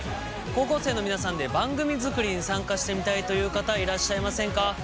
高校生の皆さんで番組作りに参加してみたいという方いらっしゃいませんか？